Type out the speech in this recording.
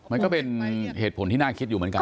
มันก็เป็นเหตุผลที่น่าคิดอยู่เหมือนกัน